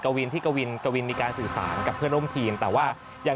วินที่กวินกวินมีการสื่อสารกับเพื่อนร่วมทีมแต่ว่ายัง